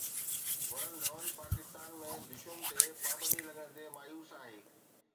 ورن ڌون پاڪستان ۾ دشوم تي پابندي لڳڻ تي مايوس آهي